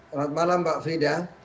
selamat malam mbak frida